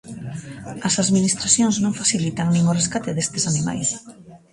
As administracións non facilitan nin o rescate destes animais.